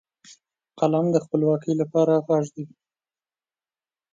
قلم د خپلواکۍ لپاره غږ دی